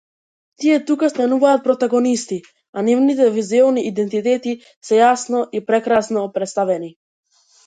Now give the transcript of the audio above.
Тука тие стануваат протагонисти, а нивните визуелни идентитети се јасно и прекрасно претставени.